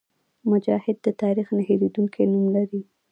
مجاهد د تاریخ نه هېرېدونکی نوم لري.